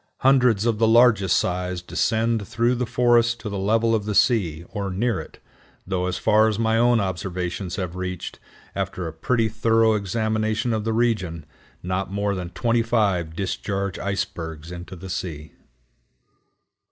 Hundreds of the largest size descend through the forests to the level of the sea, or near it, though as far as my own observations have reached, after a pretty thorough examination of the region, not more than twenty five discharge icebergs into the sea.